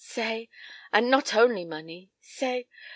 Say! And not only money. Say!